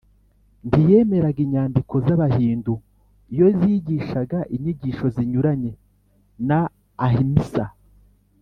ntiyemeraga inyandiko z’abahindu iyo zigishaga inyigisho zinyuranye na ahimsa